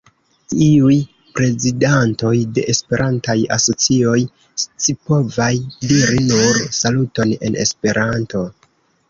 Iuj prezidantoj de Esperantaj asocioj scipovas diri nur "Saluton" en Esperanto.